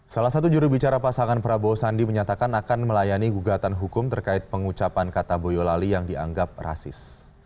salah satu jurubicara pasangan prabowo sandi menyatakan akan melayani gugatan hukum terkait pengucapan kata boyolali yang dianggap rasis